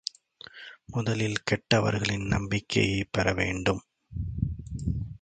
முதலில் கெட்டவர்களின் நம்பிக்கையைப் பெற வேண்டும்.